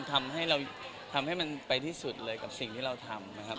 ทำให้มันไปที่สุดเลยกับสิ่งที่เราทำนะครับ